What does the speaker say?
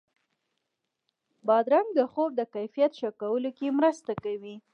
بادرنګ د خوب د کیفیت ښه کولو کې مرسته کوي.